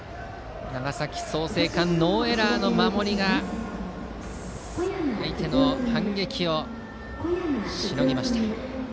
長崎・創成館ノーエラーの守りが相手の反撃をしのぎました。